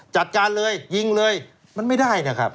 จัดการเลยยิงเลยมันไม่ได้นะครับ